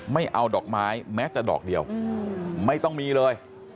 ไม่เอาดอกไม้แม้แต่ดอกเดียวไม่ต้องมีเลย